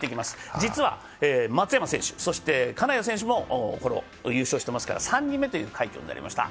実は松山選手、金谷選手も優勝してますから、３人目という快挙になりました。